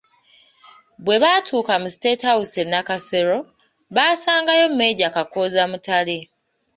Bwe baatuuka mu State House e Nakasero baasangayo Meeja Kakooza Mutale.